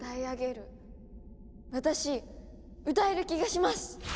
私歌える気がします！